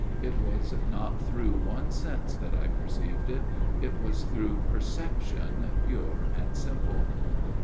It was not through one sense that I perceived it ; it was through perception pure and simple.